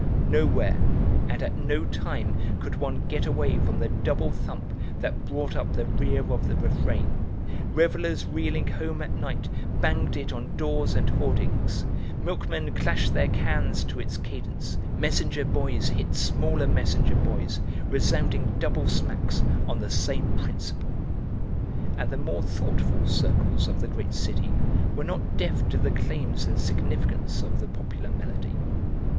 Nowhere and at no time could one get away from the double thump that brought up the rear of the refrain; revellers reeling home at night banged it on doors and hoardings, milkmen clashed their cans to its cadence, messenger boys hit smaller messenger boys resounding double smacks on the same principle. And the more thoughtful circles of the great city were not deaf to the claims and significance of the popular melody.